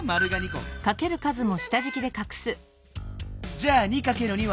じゃあ２×２は？